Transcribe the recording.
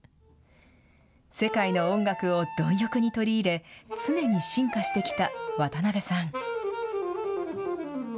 世界の音楽をどん欲に取り入れ、常に進化してきた渡辺さん。